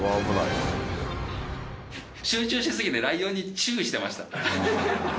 集中し過ぎて、ライオンに注意してました。